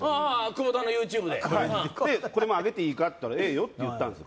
久保田のＹｏｕＴｕｂｅで「これも上げていいか？」って言ったら「ええよ」って言ったんですよ